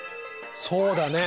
そうだね。